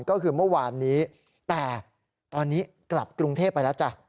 ก็คือเมื่อวานนี้แต่ตอนนี้กลับกรุงเทพไปแล้วจ้ะ